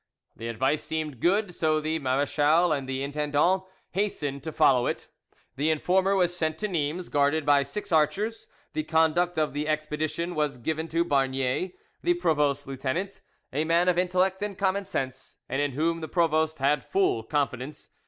The advice seemed good, so the marechal and the intendant hastened to follow it: the informer was sent to Nimes guarded by six archers, the conduct of the expedition was given to Barnier, the provost's lieutenant, a man of intellect and common sense, and in whom the provost had full confidence.